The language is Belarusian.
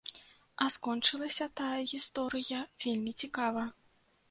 А скончылася тая гісторыя вельмі цікава.